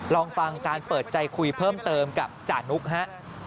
ลองฟังการเปิดใจคุยเพิ่มเติมกับจานุกฮะ